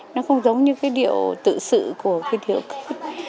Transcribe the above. nó không giống như cái điệu tự sự của cái điệu cướt